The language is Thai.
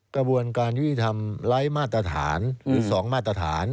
กระบวนการยุติธรรมไร้มาตรฐานหรือ๒มาตรฐาน